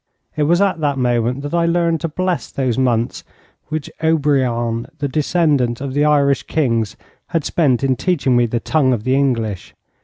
It was at that moment that I learned to bless those months which Obriant, the descendant of the Irish kings, had spent in teaching me the tongue of the English.